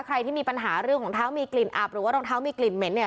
ใครที่มีปัญหาเรื่องของเท้ามีกลิ่นอับหรือว่ารองเท้ามีกลิ่นเหม็นเนี่ย